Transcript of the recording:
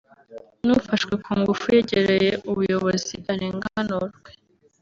n’ufashwe ku ngufu yegere ubuyobozi arenganurwe